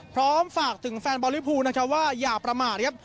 พร้อมฝากถึงแฟนบอลลิภูนะครับว่าอย่าประมาทครับ